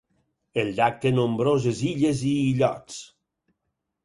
El llac té nombroses illes i illots.